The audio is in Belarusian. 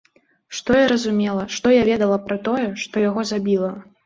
Што я разумела, што я ведала пра тое, што яго забіла?